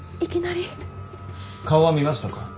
顔は見ましたか？